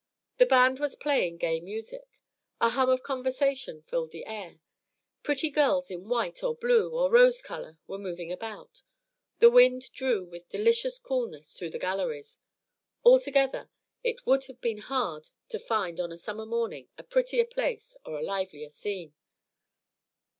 The band was playing gay music; a hum of conversation filled the air; pretty girls in white or blue or rose color were moving about; the wind drew with delicious coolness through the galleries; altogether it would have been hard to find on a summer morning a prettier place or a livelier scene.